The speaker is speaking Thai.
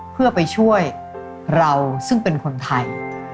เพื่อไปช่วยเราซึ่งเป็นคนไทย